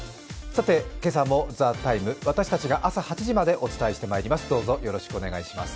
さて、今朝も「ＴＨＥＴＩＭＥ，」、私たちが朝８時までお伝えしてまいります。